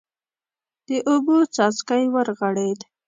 د اوبو څاڅکی ورغړېد.